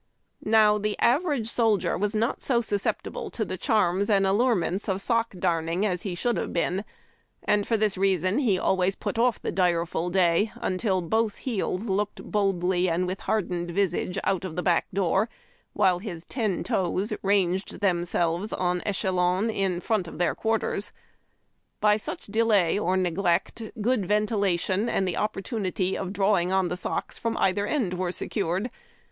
Now, the average soldier was not so susceptible to the charms and allurements of sock darning as he should have been ; for this reason he always put off the direful day until both heels looked boldly and with hardened visage out the back door, while his ten toes ranged themselves en echeloti in 80 HARD TACK AND COFFEE. front of their (quarters. l>y such delay or neglect good ventilation and the o})[)ortunity of drawing on the socks from either end were secured.